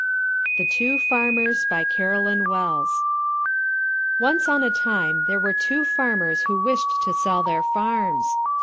THE TWO FARMERS BY CAROLYN WELLS Once on a Time there were Two Farmers who wished to Sell their Farms.